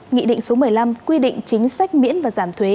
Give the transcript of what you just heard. nghị định số một mươi năm quy định chính sách miễn và giảm thuế